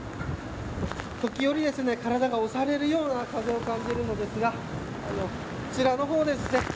時折、体が押されるような風を感じるのですがこちらの方ですね。